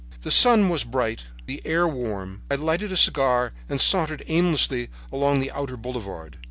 "The sun was bright, the air warm. I lighted a cigar and sauntered aimlessly along the outer boulevard.